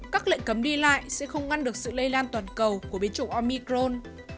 các lệnh cấm đi lại sẽ không ngăn được sự lây lan toàn cầu của biến chủng omicron